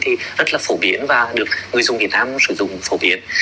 thì rất là phổ biến và được người dùng việt nam sử dụng phổ biến